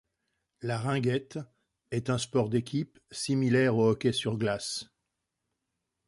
La ringuette est un sport d'équipe similaire au hockey sur glace.